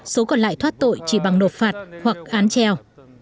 số còn lại thoát tội chỉ bằng nộp phạt hoặc án treo